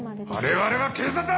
我々は警察だ！